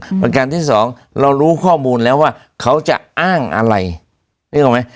ประการที่สองเรารู้ข้อมูลแล้วว่าเขาจะอ้างอะไรนึกออกไหม